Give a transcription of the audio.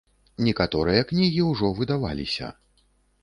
Некаторыя кнігі ўжо выдаваліся.